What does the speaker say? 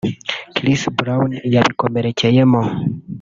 Chris Brown yabikomerekeyemo